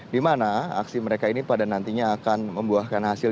di mana aksi mereka ini pada nantinya akan membuahkan hasil